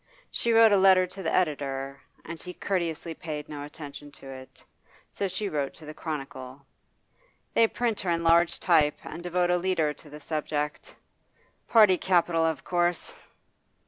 She wrote a letter to the editor, and he courteously paid no attention to it. So she wrote to the "Chronicle." They print her in large type, and devote a leader to the subject party capital, of course.